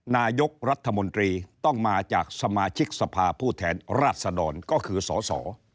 นายกรัฐมนตรีต้องมาจากสมาชิกสภาผู้แทนราชดรก็คือสส